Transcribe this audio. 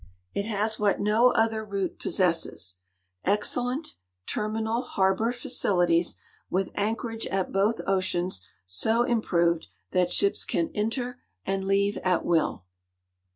It has what no other route possesses : excellent terminal harbor facilities, with anchorage at both oceans so improved that ships can enter and leave at will.